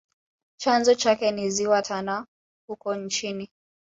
Chanzo chake ni ziwa tana huko nchini